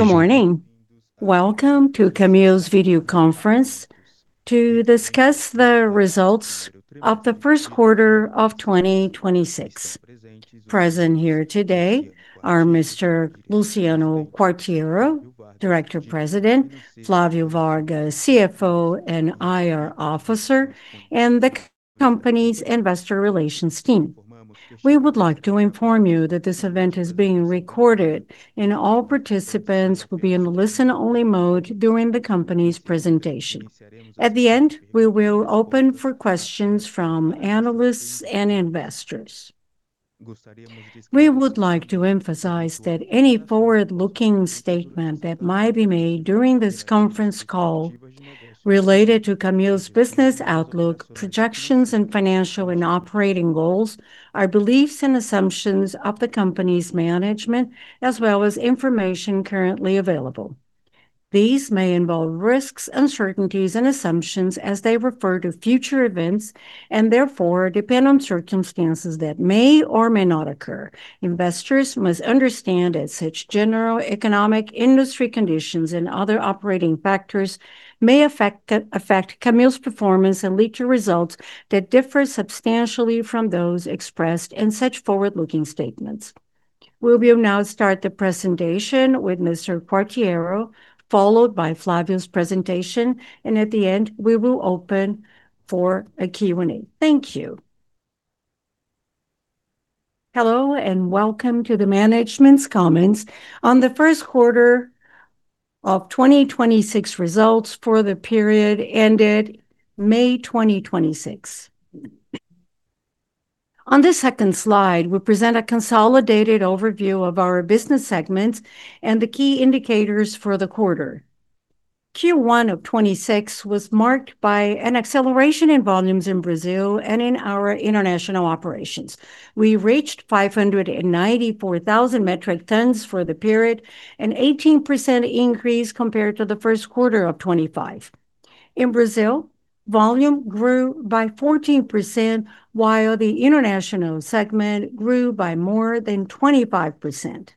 Good morning. Welcome to Camil's video conference to discuss the results of the first quarter of 2026. Present here today are Mr. Luciano Quartiero, Director President, Flavio Vargas, CFO and IR Officer, and the company's investor relations team. We would like to inform you that this event is being recorded, and all participants will be in listen-only mode during the company's presentation. At the end, we will open for questions from analysts and investors. We would like to emphasize that any forward-looking statement that might be made during this conference call related to Camil's business outlook, projections, and financial and operating goals are beliefs and assumptions of the company's management, as well as information currently available. These may involve risks, uncertainties, and assumptions as they refer to future events and therefore depend on circumstances that may or may not occur. Investors must understand that such general economic, industry conditions, and other operating factors may affect Camil's performance and lead to results that differ substantially from those expressed in such forward-looking statements. We will now start the presentation with Mr. Quartiero, followed by Flavio's presentation, and at the end, we will open for a Q&A. Thank you. Hello, welcome to the management's comments on the first quarter of 2026 results for the period ending May 2026. On this second slide, we present a consolidated overview of our business segments and the key indicators for the quarter. Q1 of 2026 was marked by an acceleration in volumes in Brazil and in our international operations. We reached 594,000 metric tons for the period, an 18% increase compared to the first quarter of 2025. In Brazil, volume grew by 14%, while the international segment grew by more than 25%.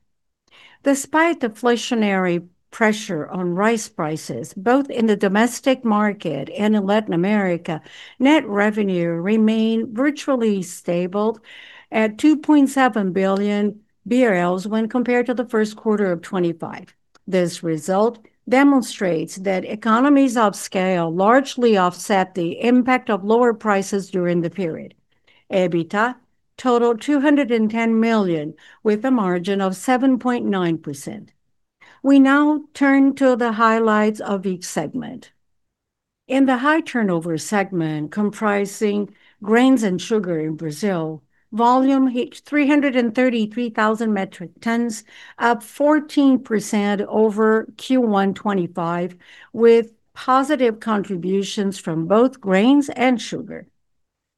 Despite deflationary pressure on rice prices, both in the domestic market and in Latin America, net revenue remained virtually stable at 2.7 billion BRL when compared to the first quarter of 2025. This result demonstrates that economies of scale largely offset the impact of lower prices during the period. EBITDA totaled 210 million, with a margin of 7.9%. We now turn to the highlights of each segment. In the high-turnover segment, comprising grains and sugar in Brazil, volume hit 333,000 metric tons, up 14% over Q1 2025, with positive contributions from both grains and sugar.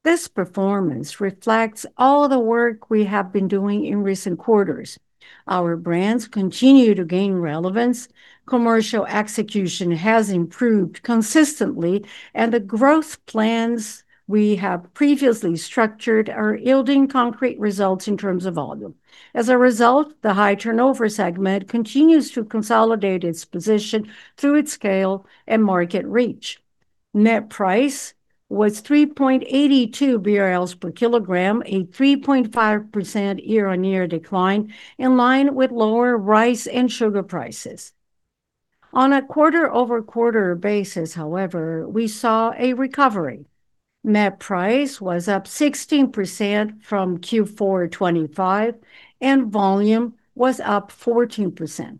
This performance reflects all the work we have been doing in recent quarters. Our brands continue to gain relevance, commercial execution has improved consistently, the growth plans we have previously structured are yielding concrete results in terms of volume. As a result, the high-turnover segment continues to consolidate its position through its scale and market reach. Net price was 3.82 BRL per kilogram, a 3.5% year-on-year decline in line with lower rice and sugar prices. On a quarter-over-quarter basis, however, we saw a recovery. Net price was up 16% from Q4 2025, volume was up 14%.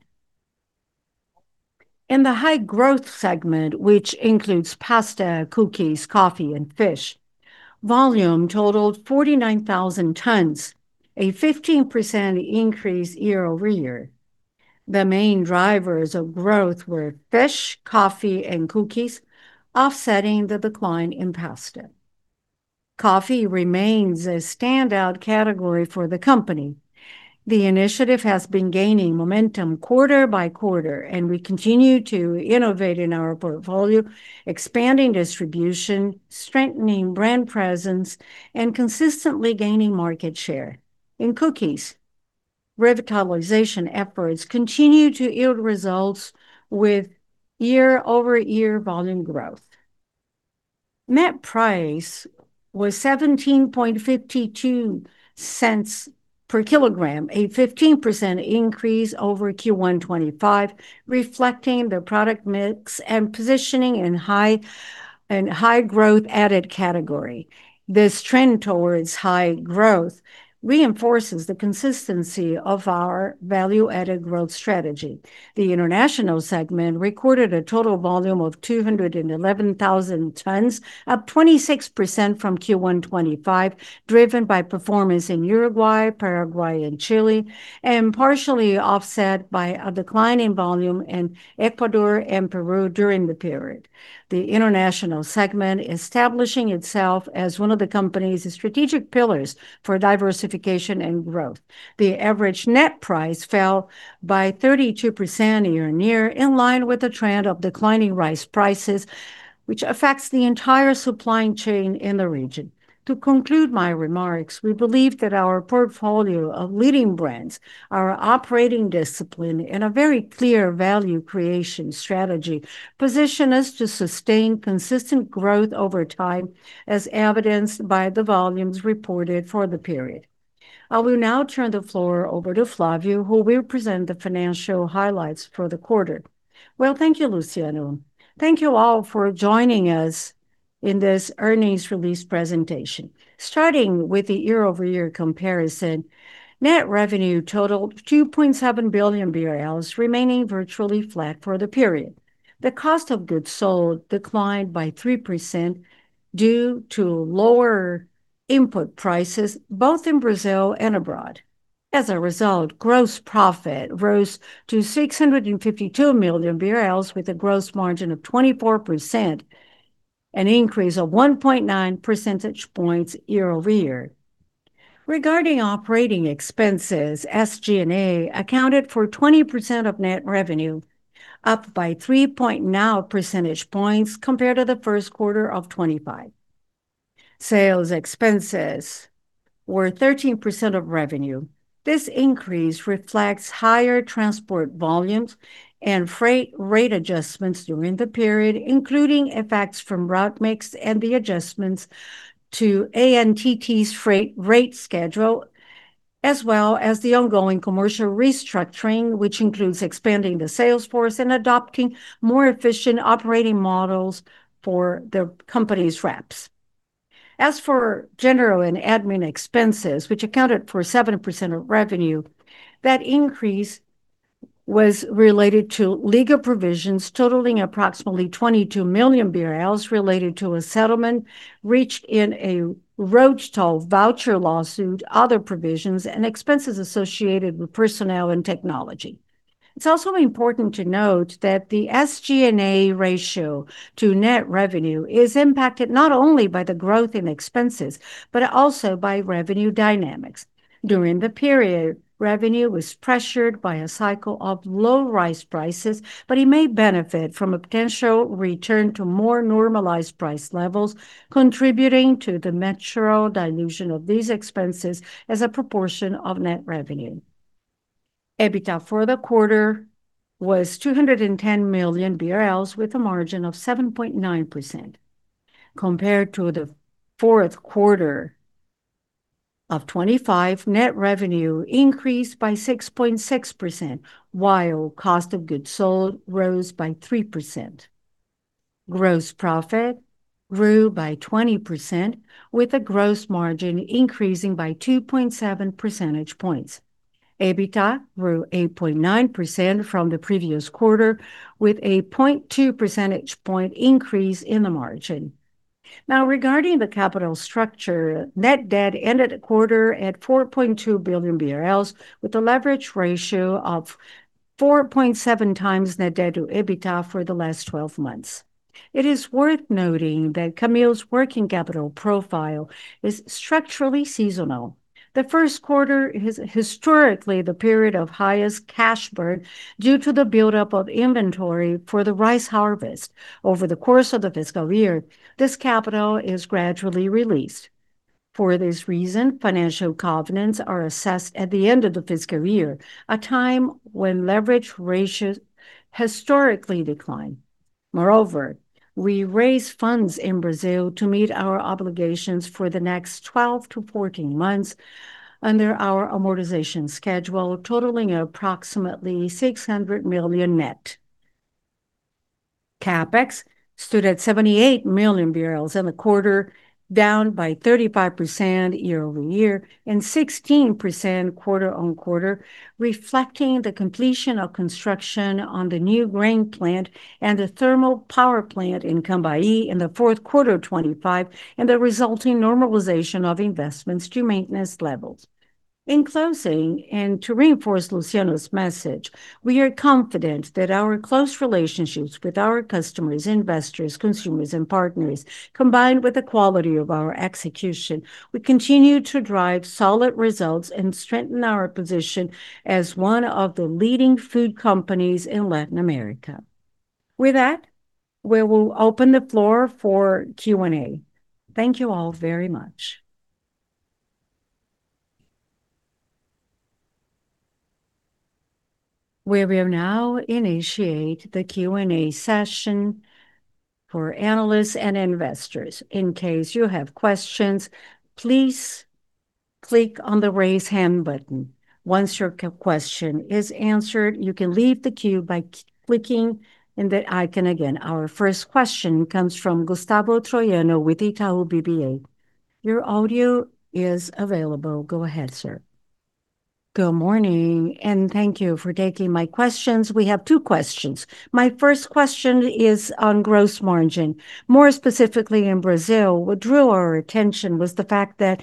In the high-growth segment, which includes pasta, cookies, coffee, and fish, volume totaled 49,000 tons, a 15% increase year-over-year. The main drivers of growth were fish, coffee, and cookies, offsetting the decline in pasta. Coffee remains a standout category for the company. The initiative has been gaining momentum quarter by quarter, we continue to innovate in our portfolio, expanding distribution, strengthening brand presence, and consistently gaining market share. In cookies, revitalization efforts continue to yield results with year-over-year volume growth. Net price was 17.52 per kilogram, a 15% increase over Q1 2025, reflecting the product mix and positioning in high-growth added category. This trend towards high growth reinforces the consistency of our value-added growth strategy. The international segment recorded a total volume of 211,000 tons, up 26% from Q1 2025, driven by performance in Uruguay, Paraguay, and Chile, and partially offset by a decline in volume in Ecuador and Peru during the period. The international segment establishing itself as one of the company's strategic pillars for diversification and growth. The average net price fell by 32% year-on-year, in line with the trend of declining rice prices, which affects the entire supply chain in the region. To conclude my remarks, we believe that our portfolio of leading brands, our operating discipline, and a very clear value creation strategy position us to sustain consistent growth over time, as evidenced by the volumes reported for the period. I will now turn the floor over to Flavio, who will present the financial highlights for the quarter. Well, thank you, Luciano. Thank you all for joining us in this earnings release presentation. Starting with the year-over-year comparison, net revenue totaled 2.7 billion BRL, remaining virtually flat for the period. The cost of goods sold declined by 3% due to lower input prices, both in Brazil and abroad. As a result, gross profit rose to 652 million BRL with a gross margin of 24%, an increase of 1.9 percentage points year-over-year. Regarding operating expenses, SG&A accounted for 20% of net revenue, up by 3.0 percentage points compared to the first quarter of 2025. Sales expenses were 13% of revenue. This increase reflects higher transport volumes and freight rate adjustments during the period, including effects from route mix and the adjustments to ANTT's freight rate schedule, as well as the ongoing commercial restructuring, which includes expanding the sales force and adopting more efficient operating models for the company's reps. As for general and admin expenses, which accounted for 7% of revenue, that increase was related to legal provisions totaling approximately 22 million BRL related to a settlement reached in a road toll voucher lawsuit, other provisions, and expenses associated with personnel and technology. It's also important to note that the SG&A ratio to net revenue is impacted not only by the growth in expenses, but also by revenue dynamics. During the period, revenue was pressured by a cycle of low rice prices, but it may benefit from a potential return to more normalized price levels, contributing to the natural dilution of these expenses as a proportion of net revenue. EBITDA for the quarter was 210 million BRL with a margin of 7.9%. Compared to the fourth quarter of 2025, net revenue increased by 6.6%, while cost of goods sold rose by 3%. Gross profit grew by 20%, with the gross margin increasing by 2.7 percentage points. EBITDA grew 8.9% from the previous quarter, with a 0.2 percentage point increase in the margin. Regarding the capital structure, net debt ended the quarter at 4.2 billion BRL with a leverage ratio of 4.7 times net debt to EBITDA for the last 12 months. It is worth noting that Camil's working capital profile is structurally seasonal. The first quarter is historically the period of highest cash burn due to the buildup of inventory for the rice harvest. Over the course of the fiscal year, this capital is gradually released. For this reason, financial covenants are assessed at the end of the fiscal year, a time when leverage ratios historically decline. Moreover, we raise funds in Brazil to meet our obligations for the next 12 to 14 months under our amortization schedule, totaling approximately 600 million net. CapEx stood at 78 million in the quarter, down by 35% year-over-year and 16% quarter-on-quarter, reflecting the completion of construction on the new grain plant and the thermal power plant in Cambaí in the fourth quarter of 2025, and the resulting normalization of investments to maintenance levels. In closing, to reinforce Luciano's message, we are confident that our close relationships with our customers, investors, consumers, and partners, combined with the quality of our execution, will continue to drive solid results and strengthen our position as one of the leading food companies in Latin America. With that, we will open the floor for Q&A. Thank you all very much. We will now initiate the Q&A session for analysts and investors. In case you have questions, please click on the Raise Hand button. Once your question is answered, you can leave the queue by clicking on the icon again. Our first question comes from Gustavo Troyano with Itaú BBA. Your audio is available. Go ahead, sir. Good morning, thank you for taking my questions. We have two questions. My first question is on gross margin, more specifically in Brazil. What drew our attention was the fact that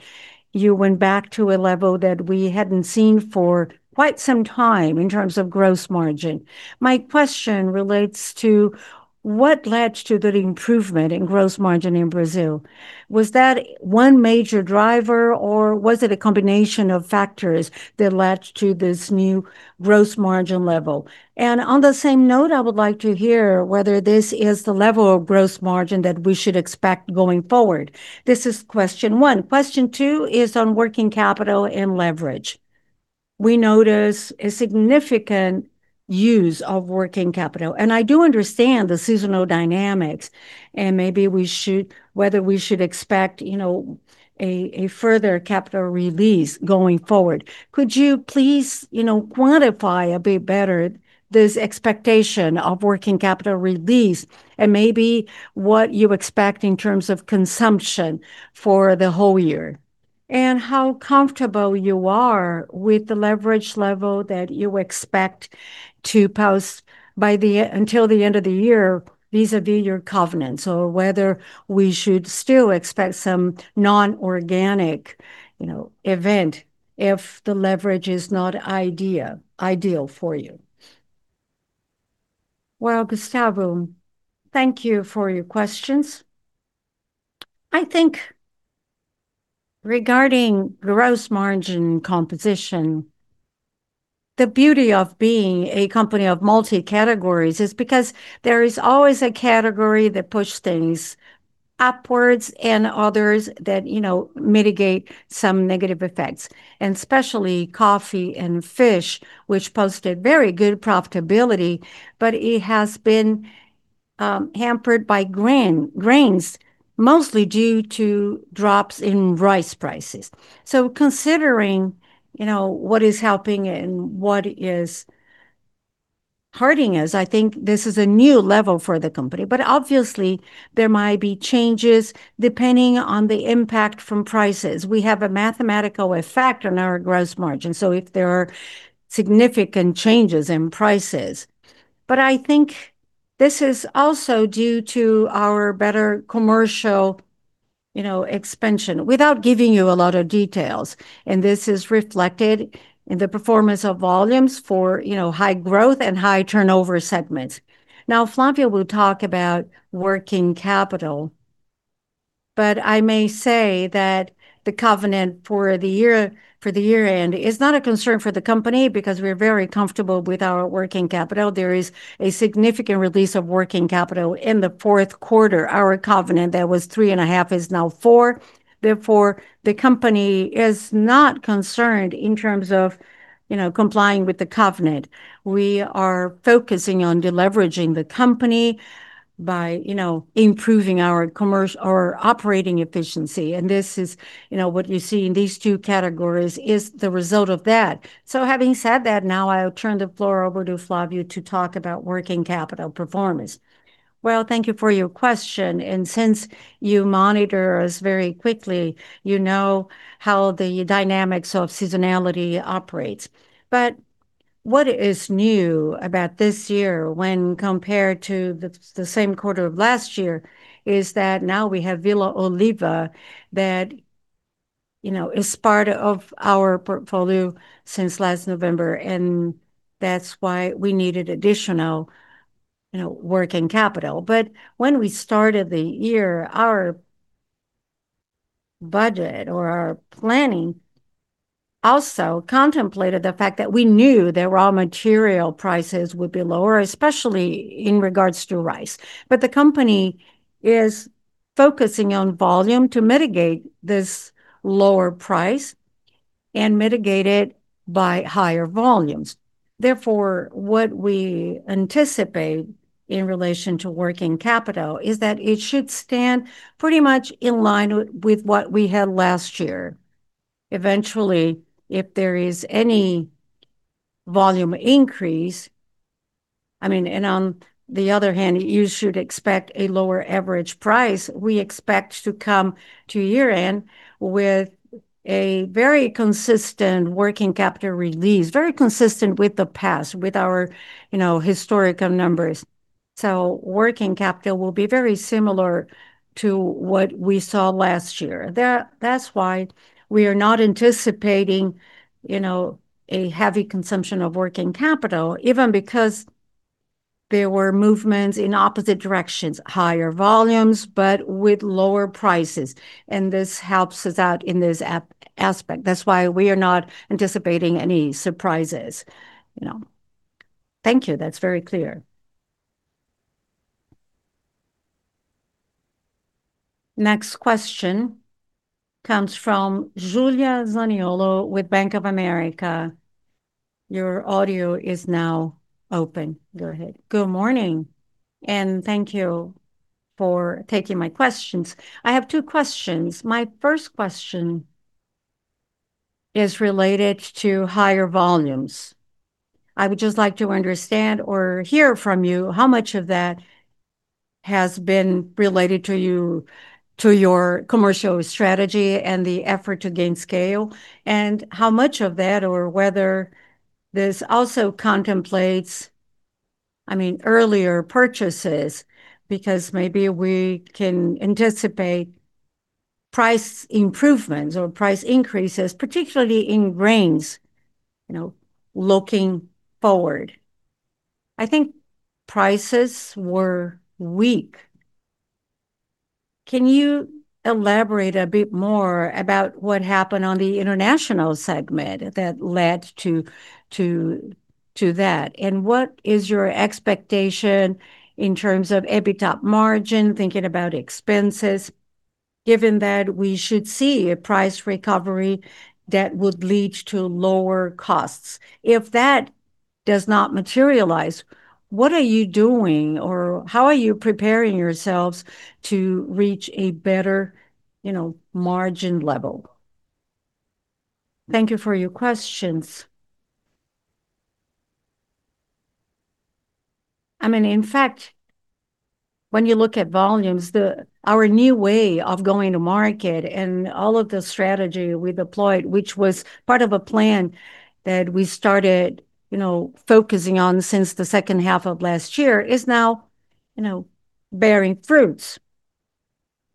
you went back to a level that we hadn't seen for quite some time in terms of gross margin. My question relates to what led to that improvement in gross margin in Brazil. Was that one major driver, or was it a combination of factors that led to this new gross margin level? On the same note, I would like to hear whether this is the level of gross margin that we should expect going forward. This is question one. Question two is on working capital and leverage. We notice a significant use of working capital. I do understand the seasonal dynamics and maybe whether we should expect a further capital release going forward. Could you please quantify a bit better this expectation of working capital release and maybe what you expect in terms of consumption for the whole year, and how comfortable you are with the leverage level that you expect to post until the end of the year vis-à-vis your covenant, or whether we should still expect some non-organic event if the leverage is not ideal for you. Well, Gustavo, thank you for your questions. I think regarding gross margin composition, the beauty of being a company of multi-categories is because there is always a category that push things upwards and others that mitigate some negative effects. Especially coffee and fish, which posted very good profitability, but it has been hampered by grains, mostly due to drops in rice prices. Considering what is helping and what is hurting us, I think this is a new level for the company. Obviously, there might be changes depending on the impact from prices. We have a mathematical effect on our gross margin, so if there are significant changes in prices. I think this is also due to our better commercial expansion, without giving you a lot of details, and this is reflected in the performance of volumes for high growth and high turnover segments. Now, Flavio will talk about working capital. I may say that the covenant for the year-end is not a concern for the company, because we're very comfortable with our working capital. There is a significant release of working capital in the fourth quarter. Our covenant that was three and a half is now four. The company is not concerned in terms of complying with the covenant. We are focusing on deleveraging the company by improving our operating efficiency. What you see in these two categories is the result of that. Having said that, now I'll turn the floor over to Flavio to talk about working capital performance. Well, thank you for your question. Since you monitor us very quickly, you know how the dynamics of seasonality operates. What is new about this year when compared to the same quarter of last year is that now we have Villa Oliva that is part of our portfolio since last November, and that's why we needed additional working capital. When we started the year, our budget or our planning also contemplated the fact that we knew that raw material prices would be lower, especially in regard to rice. The company is focusing on volume to mitigate this lower price and mitigate it by higher volumes. What we anticipate in relation to working capital is that it should stand pretty much in line with what we had last year. Eventually, if there is any volume increase, and on the other hand, you should expect a lower average price, we expect to come to year-end with a very consistent working capital release, very consistent with the past, with our historical numbers. Working capital will be very similar to what we saw last year. That's why we are not anticipating a heavy consumption of working capital, even because there were movements in opposite directions, higher volumes, but with lower prices. This helps us out in this aspect. That's why we are not anticipating any surprises. Thank you. That's very clear. Next question comes from Julia Zaniolo with Bank of America. Your audio is now open. Go ahead. Good morning. Thank you for taking my questions. I have two questions. My first question is related to higher volumes. I would just like to understand or hear from you how much of that has been related to your commercial strategy and the effort to gain scale, and how much of that or whether this also contemplates earlier purchases. Maybe we can anticipate price improvements or price increases, particularly in grains, looking forward. I think prices were weak. Can you elaborate a bit more about what happened on the international segment that led to that, and what is your expectation in terms of EBITDA margin, thinking about expenses Given that we should see a price recovery that would lead to lower costs. If that does not materialize, what are you doing, or how are you preparing yourselves to reach a better margin level? Thank you for your questions. In fact, when you look at volumes, our new way of going to market and all of the strategy we deployed, which was part of a plan that we started focusing on since the second half of last year, is now bearing fruits.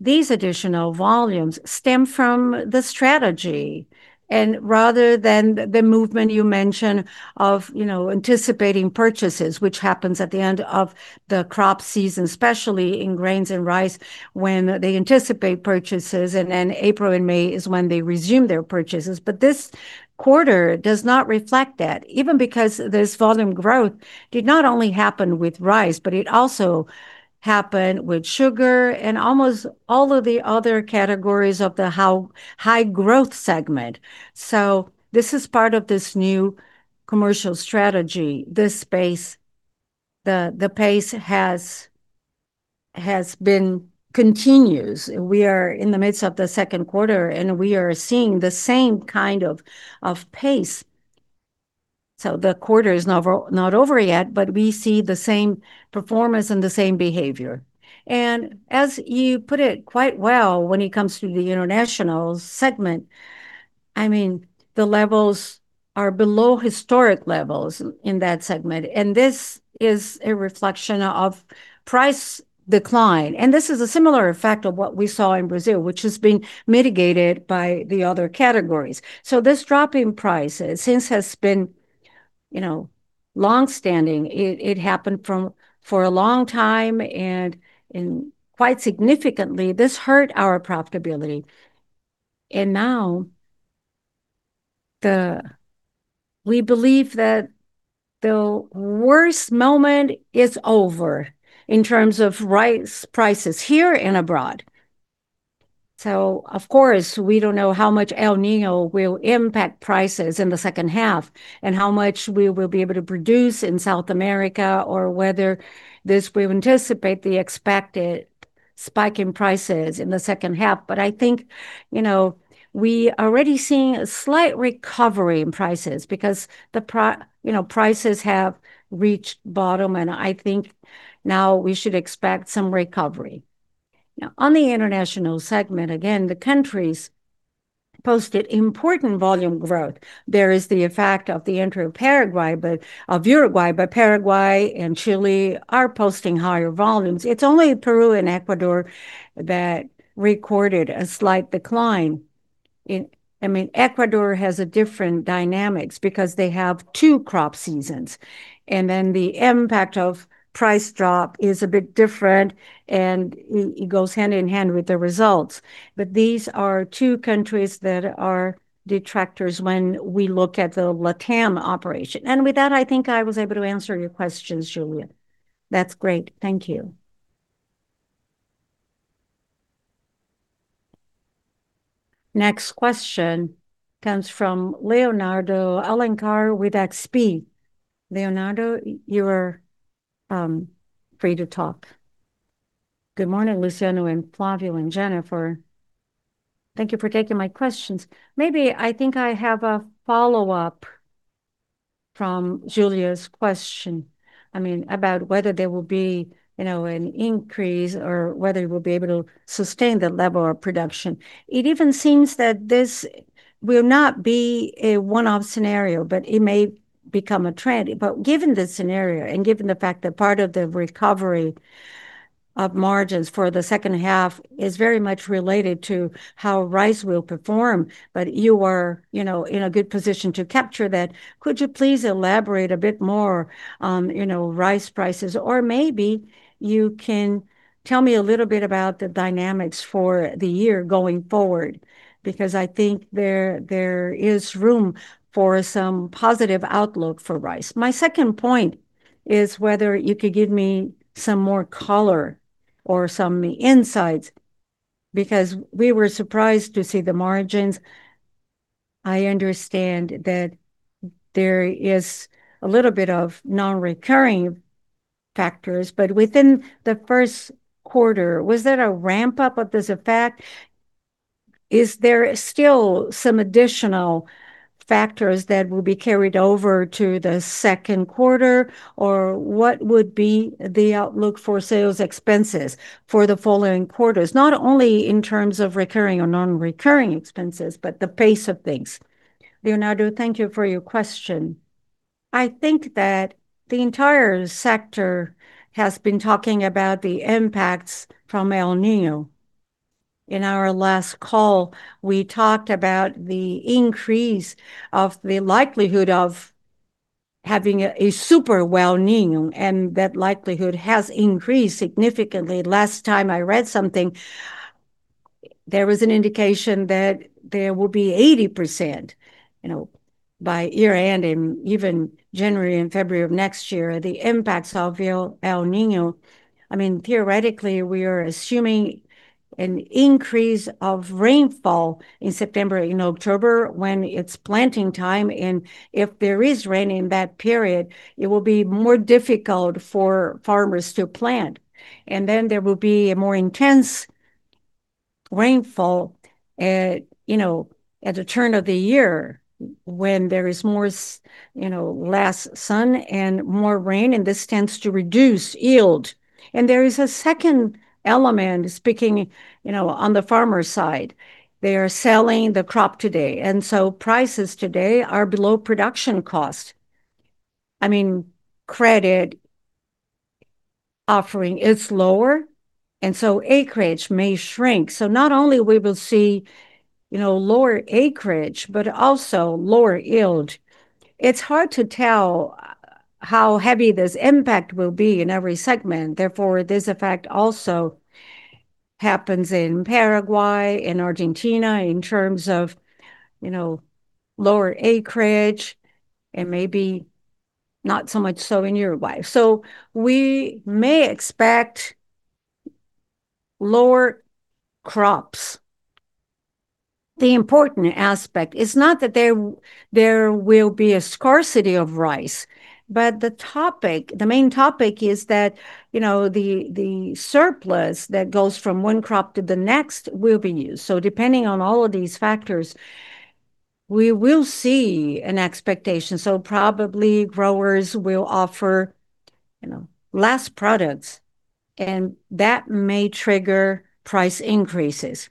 These additional volumes stem from the strategy and rather than the movement you mentioned of anticipating purchases, which happens at the end of the crop season, especially in grains and rice, when they anticipate purchases, and then April and May is when they resume their purchases. This quarter does not reflect that, even because this volume growth did not only happen with rice, but it also happened with sugar and almost all of the other categories of the high-growth segment. This is part of this new commercial strategy. The pace continues. We are in the midst of the second quarter, and we are seeing the same kind of pace. The quarter is not over yet, but we see the same performance and the same behavior. As you put it quite well when it comes to the international segment, the levels are below historic levels in that segment, and this is a reflection of price decline. This is a similar effect of what we saw in Brazil, which is being mitigated by the other categories. This drop in prices since has been long-standing. It happened for a long time, and quite significantly, this hurt our profitability. Now, we believe that the worst moment is over in terms of rice prices here and abroad. Of course, we don't know how much El Niño will impact prices in the second half and how much we will be able to produce in South America, or whether this will anticipate the expected spike in prices in the second half. I think we are already seeing a slight recovery in prices because prices have reached bottom, and I think now we should expect some recovery. Now, on the international segment, again, the countries posted important volume growth. There is the effect of the entry of Uruguay, but Paraguay and Chile are posting higher volumes. It's only Peru and Ecuador that recorded a slight decline in Ecuador has a different dynamics because they have two crop seasons, and then the impact of price drop is a bit different, and it goes hand-in-hand with the results. These are two countries that are detractors when we look at the LATAM operation. With that, I think I was able to answer your questions, Julia. That's great. Thank you. Next question comes from Leonardo Alencar with XP. Leonardo, you are free to talk. Good morning, Luciano and Flavio and Jenifer. Thank you for taking my questions. Maybe I think I have a follow-up from Julia's question about whether there will be an increase or whether you will be able to sustain that level of production. It even seems that this will not be a one-off scenario, but it may become a trend. Given the scenario and given the fact that part of the recovery of margins for the second half is very much related to how rice will perform, but you are in a good position to capture that. Could you please elaborate a bit more on rice prices? Maybe you can tell me a little bit about the dynamics for the year going forward, because I think there is room for some positive outlook for rice. My second point is whether you could give me some more color or some insights, because we were surprised to see the margins. I understand that there is a little bit of non-recurring factors, but within the first quarter, was that a ramp-up of this effect? Is there still some additional factors that will be carried over to the second quarter? What would be the outlook for sales expenses for the following quarters, not only in terms of recurring or non-recurring expenses, but the pace of things. Leonardo, thank you for your question. I think that the entire sector has been talking about the impacts from El Niño. In our last call, we talked about the increase of the likelihood of having a super El Niño, that likelihood has increased significantly. Last time I read something, there was an indication that there will be 80% by year-end, even January and February of next year, the impacts of El Niño. Theoretically, we are assuming an increase of rainfall in September and October when it's planting time. If there is rain in that period, it will be more difficult for farmers to plant. Then there will be a more intense rainfall at the turn of the year when there is less sun and more rain, this tends to reduce yield. There is a second element speaking on the farmer side. They are selling the crop today; prices today are below production cost. Credit offering is lower, acreage may shrink. Not only we will see lower acreage, but also lower yield. It's hard to tell how heavy this impact will be in every segment. Therefore, this effect also happens in Paraguay, in Argentina, in terms of lower acreage and maybe not so much so in Uruguay. We may expect lower crops. The important aspect is not that there will be a scarcity of rice, but the main topic is that the surplus that goes from one crop to the next will be used. Depending on all of these factors, we will see an expectation. Probably growers will offer less products, that may trigger price increases.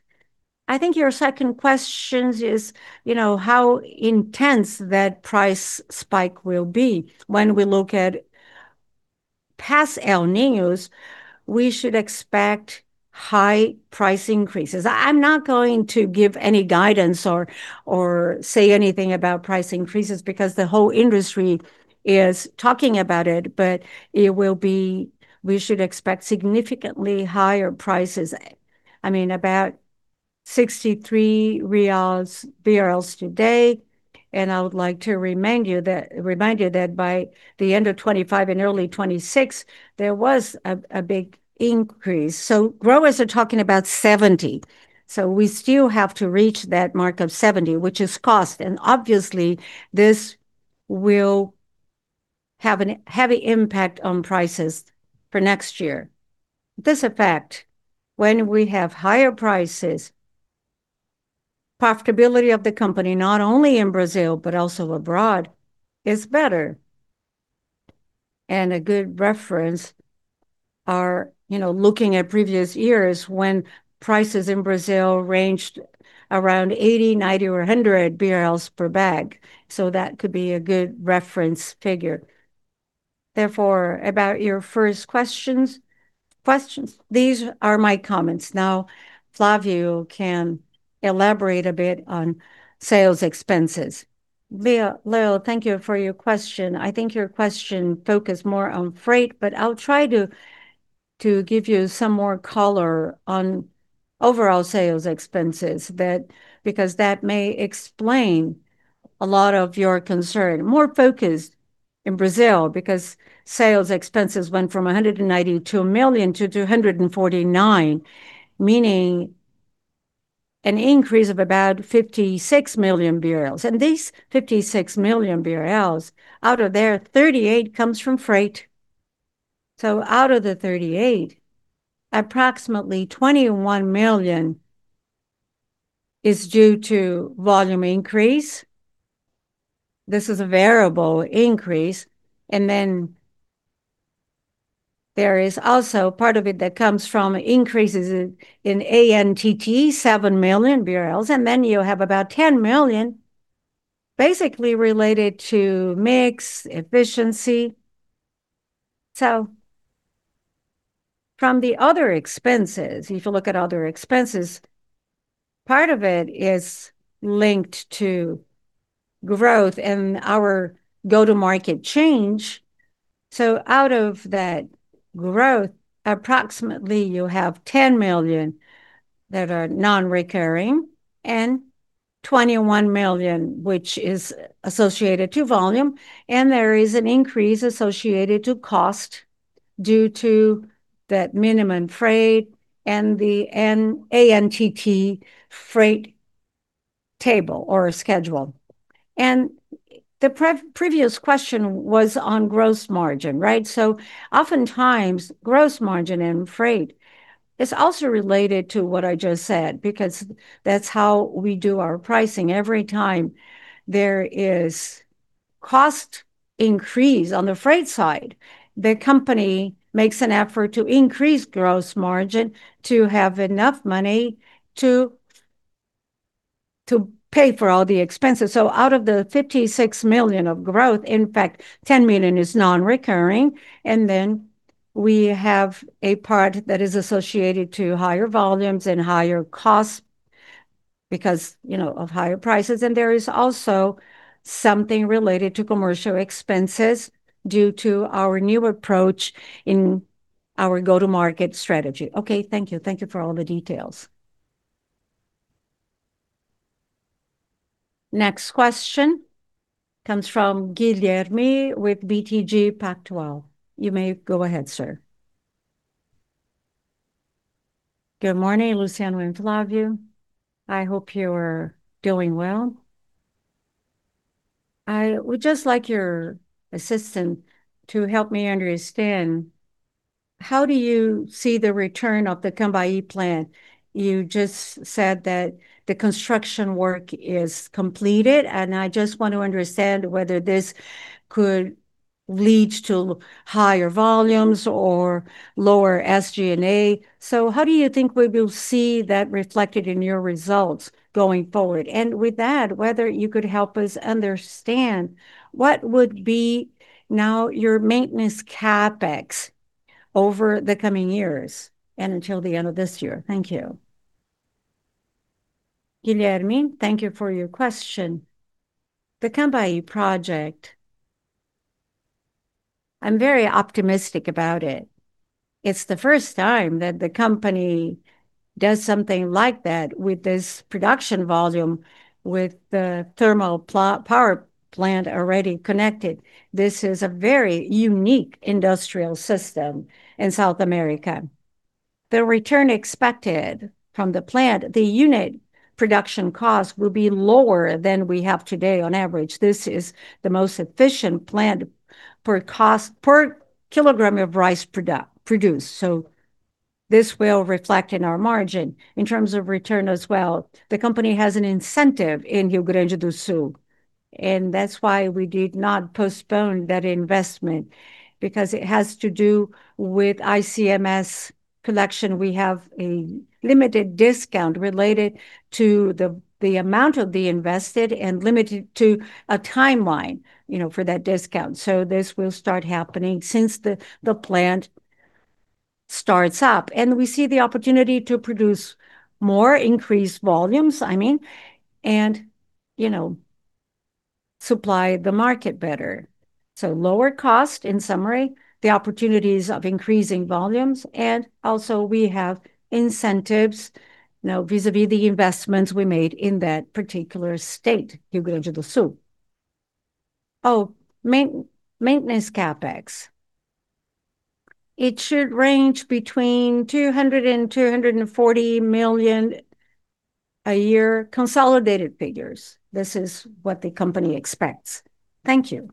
I think your second question is how intense that price spike will be. When we look at past El Niños, we should expect high price increases. I'm not going to give any guidance or say anything about price increases because the whole industry is talking about it, but we should expect significantly higher prices. About BRL 63 today, I would like to remind you that by the end of 2025 and early 2026, there was a big increase. Growers are talking about 70. We still have to reach that mark of 70, which is cost, obviously this will have a heavy impact on prices for next year. This effect, when we have higher prices, profitability of the company, not only in Brazil but also abroad, is better. A good reference are looking at previous years when prices in Brazil ranged around 80, 90, or 100 BRL per bag. That could be a good reference figure. Therefore, about your first questions, these are my comments. Flavio can elaborate a bit on sales expenses. Leo, thank you for your question. I think your question focused more on freight, but I'll try to give you some more color on overall sales expenses, because that may explain a lot of your concern. Focused in Brazil, because sales expenses went from 192 million to 249 million, meaning an increase of about 56 million BRL. These 56 million BRL, out of there, 38 million comes from freight. Out of the 38 million, approximately 21 million is due to volume increase. This is a variable increase. There is also part of it that comes from increases in ANTT, 7 million BRL, and then you have about 10 million basically related to mix efficiency. From the other expenses, if you look at other expenses, part of it is linked to growth and our go-to-market change. Out of that growth, approximately you have 10 million that are non-recurring and 21 million, which is associated to volume. There is an increase associated to cost due to that minimum freight and the ANTT freight table or schedule. The previous question was on gross margin, right? Oftentimes, gross margin and freight is also related to what I just said because that's how we do our pricing. Every time there is cost increase on the freight side, the company makes an effort to increase gross margin to have enough money to pay for all the expenses. Out of the 56 million of growth, in fact, 10 million is non-recurring, and then we have a part that is associated to higher volumes and higher costs because of higher prices. There is also something related to commercial expenses due to our new approach in our go-to-market strategy. Thank you. Thank you for all the details. Next question comes from Guilherme with BTG Pactual. You may go ahead, sir. Good morning, Luciano and Flavio. I would just like your assistant to help me understand how do you see the return of the Cambaí plant. You just said that the construction work is completed, and I just want to understand whether this could lead to higher volumes or lower SG&A. How do you think we will see that reflected in your results going forward? With that, whether you could help us understand what would be now your maintenance CapEx over the coming years and until the end of this year. Thank you. Guilherme, thank you for your question. The Cambaí project, I'm very optimistic about it. It's the first time that the company does something like that with this production volume, with the thermal power plant already connected. This is a very unique industrial system in South America. The return expected from the plant, the unit production cost will be lower than we have today on average. This is the most efficient plant per cost, per kilogram of rice produced. This will reflect in our margin. In terms of return as well, the company has an incentive in Rio Grande do Sul, and that's why we did not postpone that investment, because it has to do with ICMS collection. We have a limited discount related to the amount of the invested and limited to a timeline for that discount. This will start happening since the plant starts up. We see the opportunity to produce more increased volumes; I mean and supply the market better. Lower cost, in summary, the opportunities of increasing volumes, and also, we have incentives now vis-a-vis the investments we made in that particular state, Rio Grande do Sul. Maintenance CapEx. It should range between 200 million-240 million a year consolidated figure. This is what the company expects. Thank you.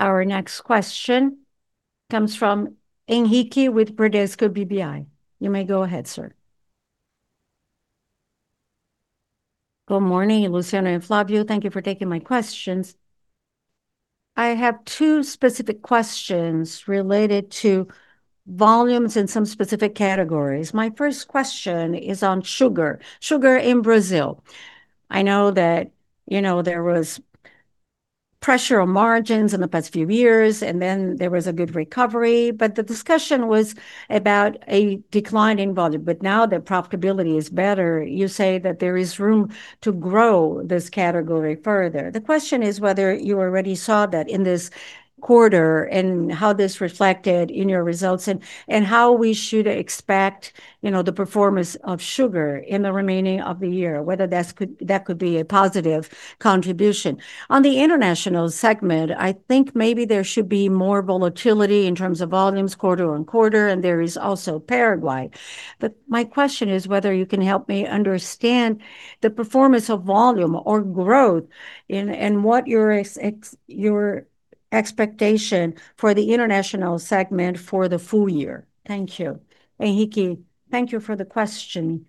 Our next question comes from Henrique with Bradesco BBI. You may go ahead, sir. Good morning, Luciano and Flavio. Thank you for taking my questions. I have two specific questions related to volumes in some specific categories. My first question is on sugar. Sugar in Brazil. I know that there was pressure on margins in the past few years, then there was a good recovery. The discussion was about a decline in volume. Now that profitability is better, you say that there is room to grow this category further. The question is whether you already saw that in this quarter and how this reflected in your results, and how we should expect the performance of sugar in the remaining of the year, whether that could be a positive contribution. On the international segment, I think maybe there should be more volatility in terms of volumes quarter-on-quarter, and there is also Paraguay. My question is whether you can help me understand the performance of volume or growth and what your expectation for the international segment for the full year. Thank you. Henrique, thank you for the question.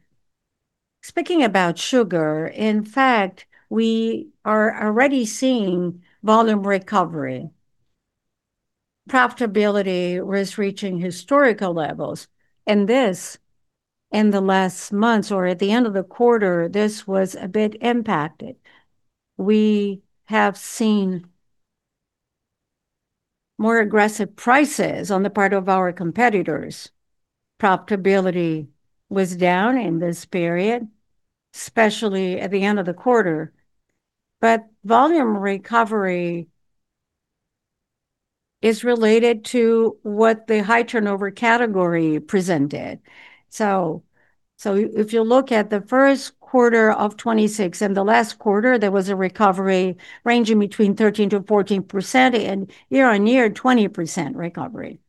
Speaking about sugar, in fact, we are already seeing volume recovery. Profitability was reaching historical levels, this in the last months or at the end of the quarter, this was a bit impacted. We have seen more aggressive prices on the part of our competitors. Profitability was down in this period, especially at the end of the quarter. Volume recovery is related to what the high turnover category presented. If you look at the first quarter of 2026 and the last quarter, there was a recovery ranging between 13%-14%, year-over-year, 20% recovery.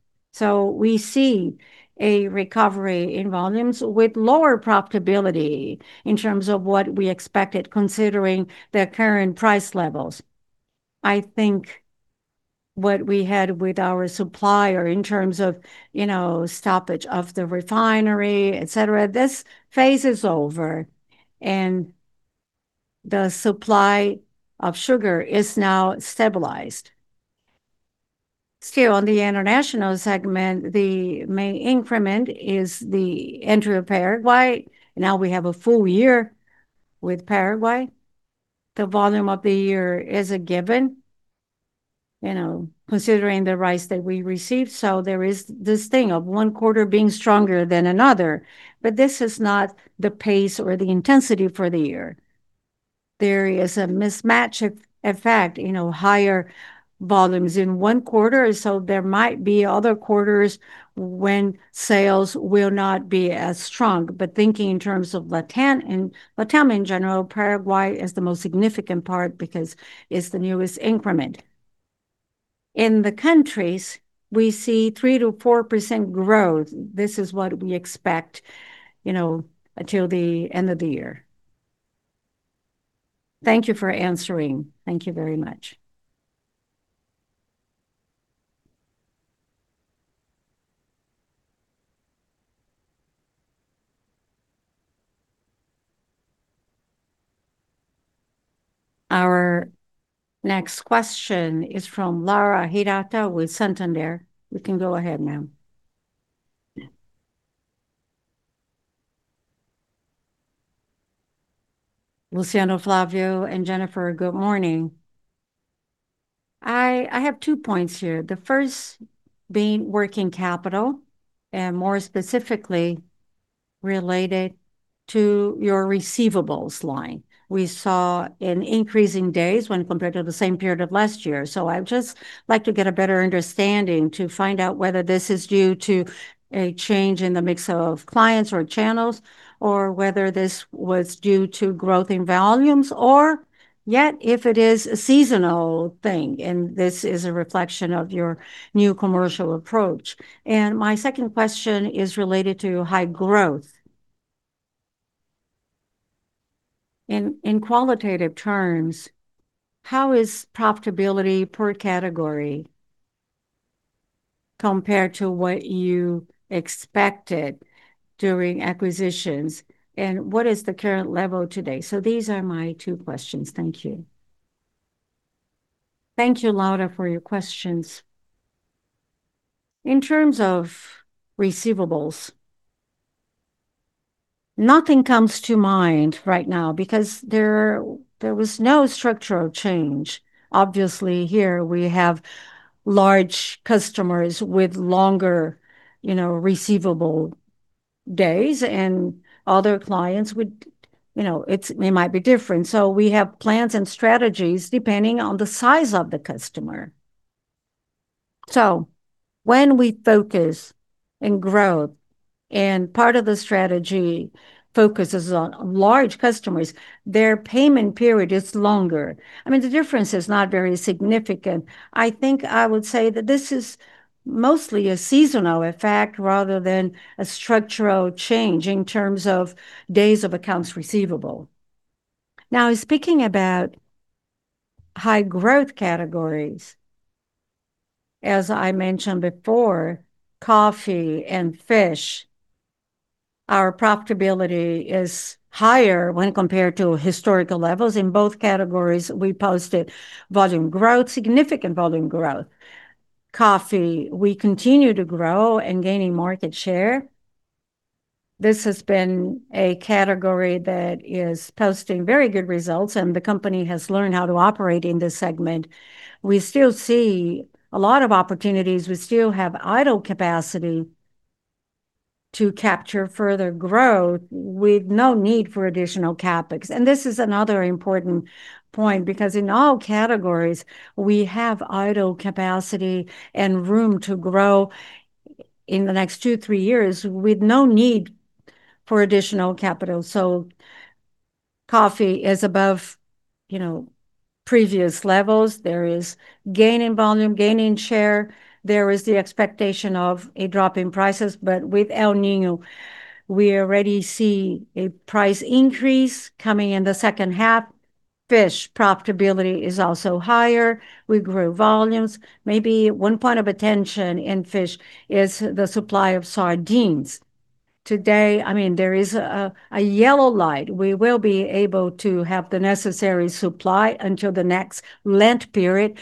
We see a recovery in volumes with lower profitability in terms of what we expected considering the current price levels. I think what we had with our supplier in terms of stoppage of the refinery, et cetera, this phase is over and the supply of sugar is now stabilized. Still on the international segment, the main increment is the entry of Paraguay. Now we have a full year with Paraguay. The volume of the year is a given considering the rice that we received. There is this thing of one quarter being stronger than another, but this is not the pace or the intensity for the year. There is a mismatch effect, higher volumes in one quarter, there might be other quarters when sales will not be as strong. Thinking in terms of LATAM in general, Paraguay is the most significant part because it's the newest increment. In the countries, we see 3%-4% growth. This is what we expect until the end of the year. Thank you for answering. Thank you very much. Our next question is from Laura Hirata with Santander. You can go ahead, ma'am. Luciano, Flavio, and Jenifer, good morning. I have two points here. The first being working capital, and more specifically related to your receivables line. We saw an increase in days when compared to the same period of last year. I'd just like to get a better understanding to find out whether this is due to a change in the mix of clients or channels, or whether this was due to growth in volumes, or yet if it is a seasonal thing and this is a reflection of your new commercial approach. My second question is related to high growth. In qualitative terms, how is profitability per category compared to what you expected during acquisitions, and what is the current level today? These are my two questions. Thank you. Thank you, Laura, for your questions. In terms of receivables, nothing comes to mind right now because there was no structural change. Obviously, here we have large customers with longer receivable days, and other clients it might be different. We have plans and strategies depending on the size of the customer. When we focus on growth, and part of the strategy focuses on large customers, their payment period is longer. The difference is not very significant. I think I would say that this is mostly a seasonal effect rather than a structural change in terms of days of accounts receivable. Now, speaking about high growth categories, as I mentioned before, coffee and fish, our profitability is higher when compared to historical levels. In both categories, we posted volume growth, significant volume growth. Coffee, we continue to grow and gaining market share. This has been a category that is posting very good results, and the company has learned how to operate in this segment. We still see a lot of opportunities. We still have idle capacity to capture further growth with no need for additional CapEx. This is another important point, because in all categories, we have idle capacity and room to grow in the next two, three years with no need for additional capital. Coffee is above previous levels. There is gain in volume, gain in share. There is the expectation of a drop in prices, but with El Niño, we already see a price increase coming in the second half. Fish profitability is also higher. We grew volumes. Maybe one point of attention in fish is the supply of sardines. Today, there is a yellow light. We will be able to have the necessary supply until the next Lent period.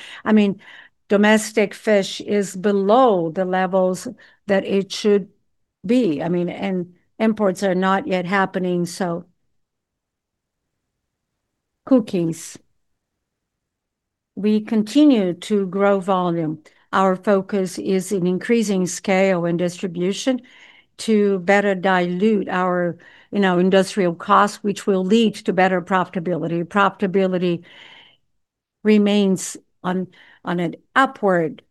Domestic fish is below the levels that it should be, and imports are not yet happening. Cookies. We continue to grow volume. Our focus is in increasing scale and distribution to better dilute our industrial costs, which will lead to better profitability. Profitability remains on an upward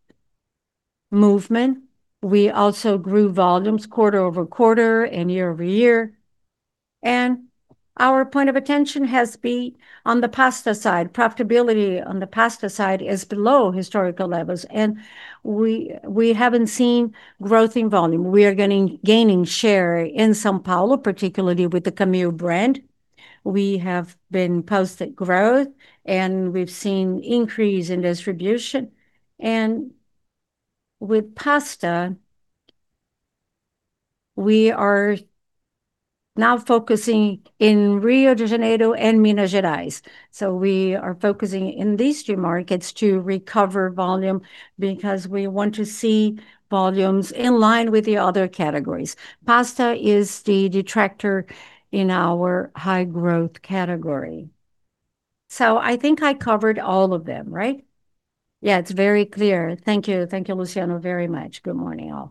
movement. We also grew volumes quarter-over-quarter and year-over-year. Our point of attention has been on the pasta side. Profitability on the pasta side is below historical levels, and we haven't seen growth in volume. We are gaining share in São Paulo, particularly with the Camil brand. We have been posting growth, and we've seen increase in distribution. With pasta, we are now focusing in Rio de Janeiro and Minas Gerais. We are focusing in these two markets to recover volume because we want to see volumes in line with the other categories. Pasta is the detractor in our high growth category. I think I covered all of them, right? Yeah, it's very clear. Thank you. Thank you, Luciano, very much. Good morning, all.